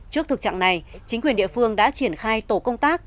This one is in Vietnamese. trước thực trạng này chính quyền địa phương đã triển khai tổ công tác